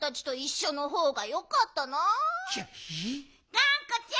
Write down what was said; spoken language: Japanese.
がんこちゃん。